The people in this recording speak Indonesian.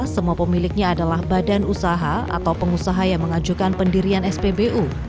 semua pemiliknya adalah badan usaha atau pengusaha yang mengajukan pendirian spbu